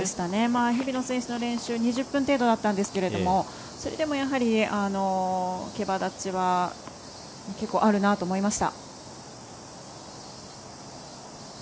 日比野選手の練習２０分程度だったんですけどもそれでも、やはりけばだちは結構あるなと思いました。